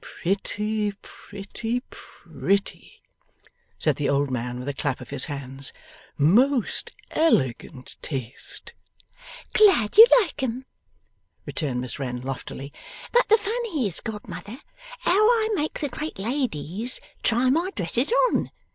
'Pretty, pretty, pretty!' said the old man with a clap of his hands. 'Most elegant taste!' 'Glad you like 'em,' returned Miss Wren, loftily. 'But the fun is, godmother, how I make the great ladies try my dresses on.